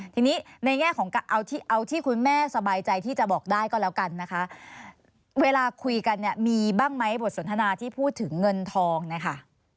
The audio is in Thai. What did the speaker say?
ทีนี้ในแง่ของเอาที่คุณแม่สบายใจที่จะบอกได้ก็แล้วกันนะคะเวลาคุยกันเนี่ยมีบ้างไหมบทสนทนาที่พูดถึงเงินทองนะคะ